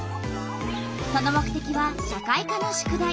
その目てきは社会科の宿題。